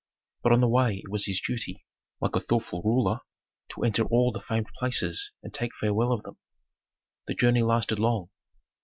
But on the way it was his duty, like a thoughtful ruler, to enter all the famed places and take farewell of them. The journey lasted long.